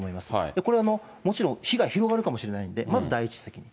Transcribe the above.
これもちろん、被害広がるかもしれないんで、まず第一責任。